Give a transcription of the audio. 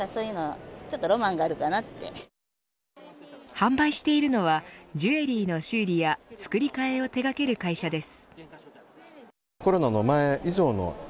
販売しているのはジュエリーの修理や作り替えを手がける会社です。